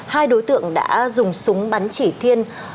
hai đối tượng đã dùng súng bắn chỉ thiên